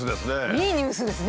いいニュースですね。